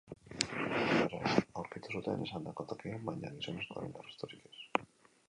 Autoa berehala aurkitu zuten, esandako tokian, baina gizonezkoaren arrastorik ez.